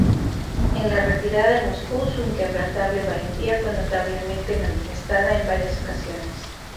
En la retirada de Moscú, su inquebrantable valentía fue notablemente manifestada en varias ocasiones.